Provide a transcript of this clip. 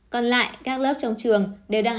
còn lại các lớp trong trường đều đang